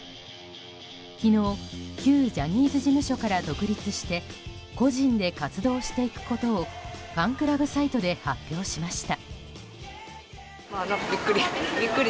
昨日、旧ジャニーズ事務所から独立して個人で活動していくことをファンクラブサイトで発表しました。